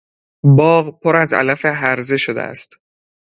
باغ پر از علف هرزه شده است.